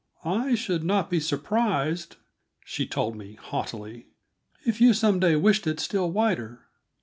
"I should not be surprised," she told me haughtily, "if you some day wished it still wider."